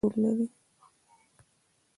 زما ترور په ښار کې یو لوی او ښکلی کور لري.